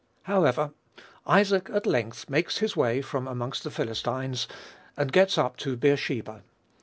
However, Isaac at length makes his way from amongst the Philistines, and gets up to Beersheba.